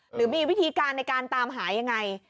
หรือมีวิธีการในการตามหายังไง